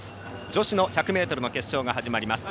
女子の１００ｍの決勝が始まります。